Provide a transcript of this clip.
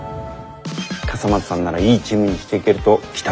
笠松さんならいいチームにしていけると期待しています。